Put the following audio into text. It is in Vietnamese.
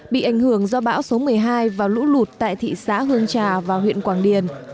bị ảnh hưởng do bão số một mươi hai và lũ lụt tại thị xã hương trà và huyện quảng điền